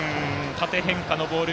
縦変化のボール。